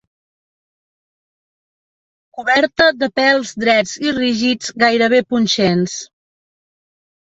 Coberta de pèls drets i rígids, gairebé punxents.